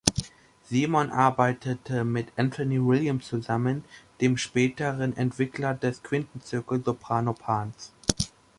Simon arbeitete mit Anthony Williams zusammen, dem späteren Entwickler des Quintenzirkel Soprano Pans.